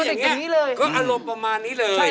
ก็อย่างเนี่ยอารมณ์ประมาณนี้เลย